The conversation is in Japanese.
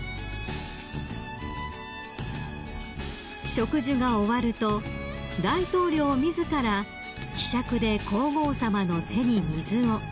［植樹が終わると大統領自らひしゃくで皇后さまの手に水を］